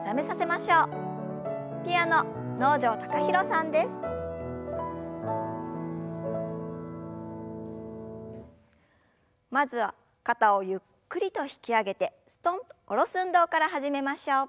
まずは肩をゆっくりと引き上げてすとんと下ろす運動から始めましょう。